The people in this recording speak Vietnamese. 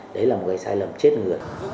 đấy là một cái sai lầm chết người